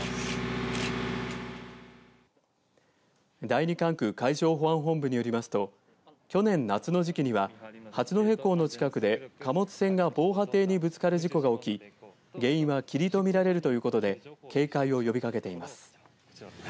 第二管区海上保安本部によりますと去年夏の時期には八戸港の近くで貨物船が防波堤にぶつかる事故が起き原因は霧とみられるということで警戒を呼びかけています。